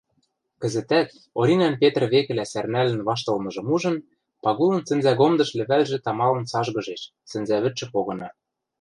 Кӹзӹтӓт, Оринӓн Петр векӹлӓ сӓрнӓлӹн ваштылмыжым ужын, Пагулын сӹнзӓгомдыш лӹвӓлжӹ тамалын цажгыжеш, сӹнзӓвӹдшӹ погына.